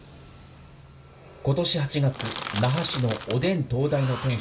今年８月那覇市のおでん東大の店主